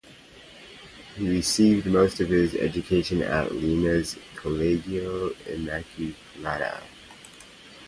He received most of his education at Lima's "Colegio Inmaculada".